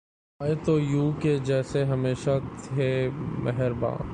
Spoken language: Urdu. آئے تو یوں کہ جیسے ہمیشہ تھے مہرباں